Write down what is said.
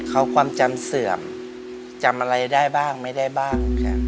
เขาความจำเสื่อมจำอะไรได้บ้างไม่ได้บ้าง